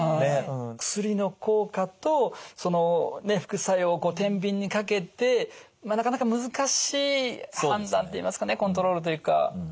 薬の効果とその副作用をてんびんにかけてまあなかなか難しい判断といいますかねコントロールというか。